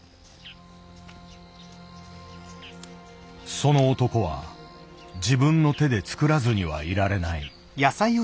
その男は自分の手で作らずにはいられない。